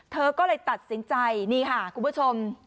เธอก็เลยตัดสินใจนี่ค่ะคุณผู้ชม